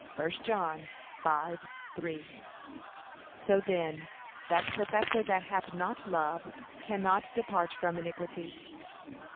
(1 John 5:3) So then, that professor that hath not love, cannot depart from iniquity.